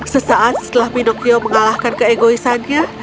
sesaat setelah pinocchio mengalahkan keegoisannya